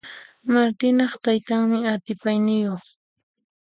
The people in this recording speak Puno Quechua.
Martinaq taytanmi atipayniyuq.